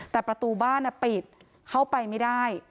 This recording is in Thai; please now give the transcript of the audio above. แต่ประตูบ้านปิดเข้าไปไม่ได้